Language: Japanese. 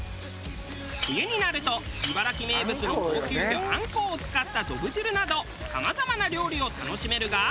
冬になると茨城名物の高級魚アンコウを使ったどぶ汁などさまざまな料理を楽しめるが。